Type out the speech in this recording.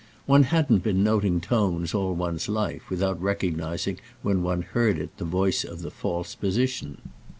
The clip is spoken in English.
One hadn't been noting "tones" all one's life without recognising when one heard it the voice of the false position.